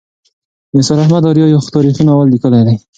نثار احمد آریا یو تاریخي ناول لیکلی دی.